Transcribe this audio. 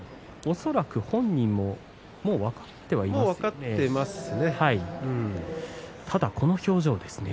恐らく本人ももう分かってると思いますよね。